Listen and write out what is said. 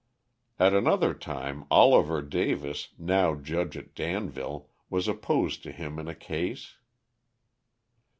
At another time, Oliver Davis, now judge at Danville, was opposed to him in a case.